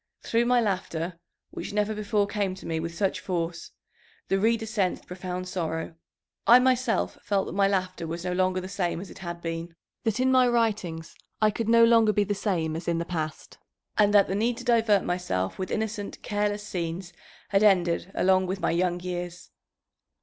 Through my laughter, which never before came to me with such force, the reader sensed profound sorrow. I myself felt that my laughter was no longer the same as it had been, that in my writings I could no longer be the same as in the past, and that the need to divert myself with innocent, careless scenes had ended along with my young years."